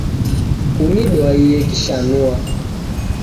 Kunidwaie kishanua